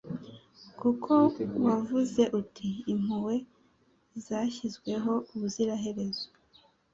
kuko wavuze uti Impuhwe zashyizweho ubuziraherezo